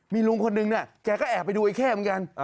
มีลุงคนหนึ่งแกก็แอบไปดูไอ้เค่เหมือนกัน